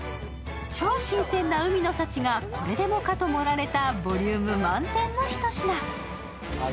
超新鮮な海の幸が、これでもかと盛られたボリューム満点のひと品。